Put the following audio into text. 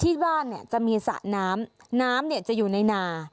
ที่บ้านเนี่ยจะมีสระน้ำน้ำจะอยู่ในนา